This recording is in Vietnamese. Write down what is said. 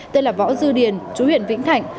tên là võ dư điền chú huyện vĩnh thạnh